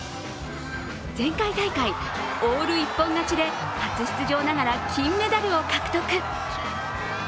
前回大会、オール一本勝ちで初出場ながら金メダルを獲得。